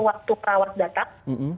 waktu perawat datang